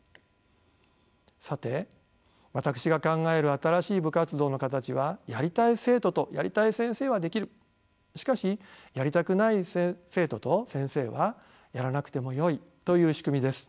さて私が考える新しい部活動の形はやりたい生徒とやりたい先生はできるしかしやりたくない生徒と先生はやらなくてもよいという仕組みです。